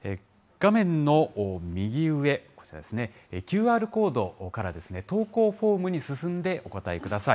画面の右上、こちらですね、ＱＲコードから投稿フォームに進んでお答えください。